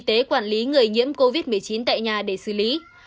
tế quản lý người nhiễm covid một mươi chín tại nhà để xử lý